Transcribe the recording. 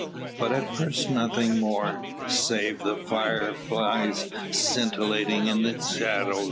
But at first nothing more, save the fire flies scintillating in its shadow.